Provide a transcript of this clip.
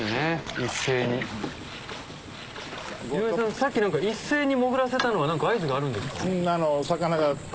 さっき一斉に潜らせたのは何か合図があるんですか？